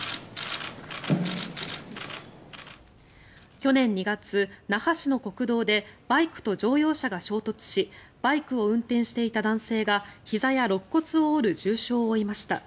去年２月、那覇市の国道でバイクと乗用車が衝突しバイクを運転していた男性がひざやろっ骨を折る重傷を負いました。